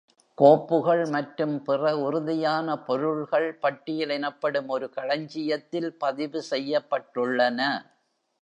கோப்புகள் மற்றும் பிற உறுதியான பொருள்கள் பட்டியல் எனப்படும் ஒரு களஞ்சியத்தில் பதிவு செய்யப்பட்டுள்ளன.